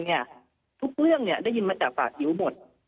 ก็กำลังเอาไปขึ้นเงินเนี่ยทุกเรื่องเนี่ยได้ยินมาจากฝากหิวหมด